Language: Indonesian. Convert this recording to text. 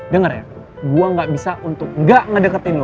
dengar ya gue gak bisa untuk gak ngedeketin lu